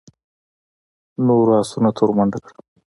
نورو آسونو ته ور منډه کړه.